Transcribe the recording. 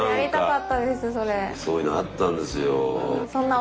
そういうのあったんですよ。